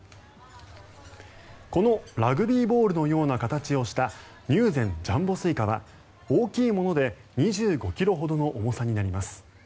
このラグビーボールのような形をした入善ジャンボ西瓜は大きいもので２５ｋｇほどの重さになります。